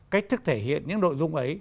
cách thức thể hiện những nội dung ấy